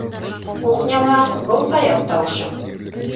Кухняла, - был Саяф тауышы.